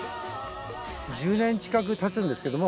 １０年近く経つんですけども。